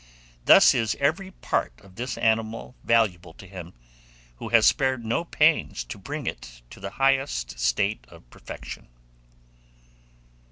Thus is every part of this animal valuable to man, who has spared no pains to bring it to the highest state of perfection.